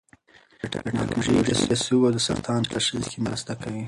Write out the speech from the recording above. دا ټېکنالوژي د سږو سرطان په تشخیص کې مرسته کوي.